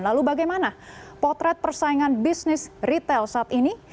lalu bagaimana potret persaingan bisnis retail saat ini